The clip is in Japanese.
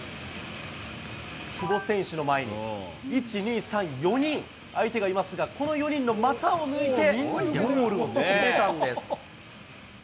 久保選手の前に、１、２、３、４人、相手がいますが、この４人の股を抜いてゴールを決めたんです。